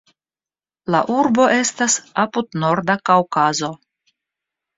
La urbo estas apud Norda Kaŭkazo.